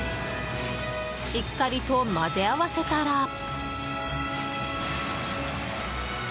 しっかりと混ぜ合わせたら。